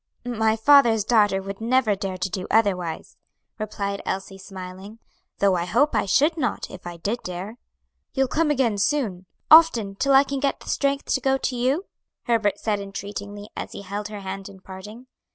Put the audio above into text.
"My father's daughter would never dare to do otherwise," replied Elsie, smiling; "though I hope I should not, if I did dare." "You'll come again soon often, till I can get strength to go to you?" Herbert said entreatingly, as he held her hand in parting.